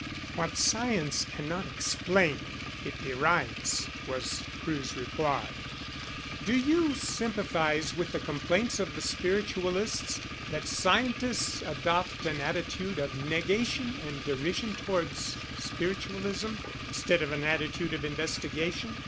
"What science cannot explain, it derides," was Crewe's reply. "Do you sympathize with the complaints of the spiritualists, that scientists adopt an attitude of negation and derision towards spiritualism, instead of an attitude of investigation?"